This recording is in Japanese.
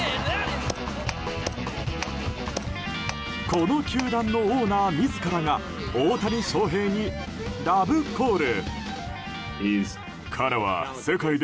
この球団のオーナー自らが大谷翔平に、ラブコール！